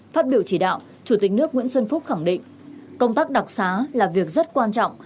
phát biểu chỉ đạo chủ tịch nước nguyễn xuân phúc khẳng định công tác đặc xá là việc rất quan trọng